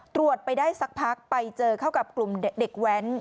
ไปได้สักพักไปเจอเข้ากับกลุ่มเด็กแว้น